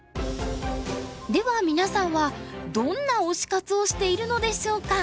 では皆さんはどんな推し活をしているのでしょうか？